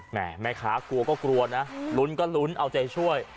แม่ค้ากลัวก็กลัวนะลุ้นก็ลุ้นเอาใจช่วย